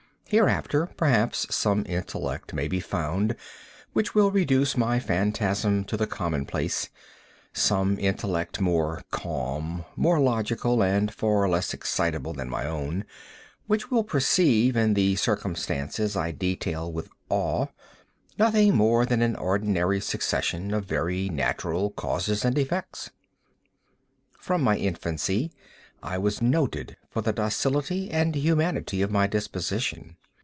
Hereafter, perhaps, some intellect may be found which will reduce my phantasm to the common place—some intellect more calm, more logical, and far less excitable than my own, which will perceive, in the circumstances I detail with awe, nothing more than an ordinary succession of very natural causes and effects. From my infancy I was noted for the docility and humanity of my disposition.